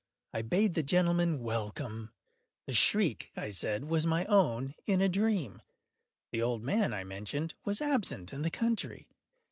I bade the gentlemen welcome. The shriek, I said, was my own in a dream. The old man, I mentioned, was absent in the country.